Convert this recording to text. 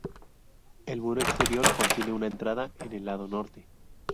El muro exterior contiene una entrada en el lado norte.